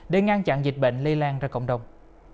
để ngăn chặn dịch bệnh lây lan ra cộng đồng